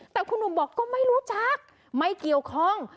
แต่คุณหนุ่มบอกก็ไม่รู้จักไม่เกี่ยวข้อง